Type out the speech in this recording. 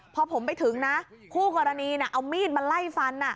พอผมไปถึงนะคู่กรณีเอามีดมาไล่ฟัน